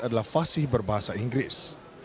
adalah fasih berbahasa inggris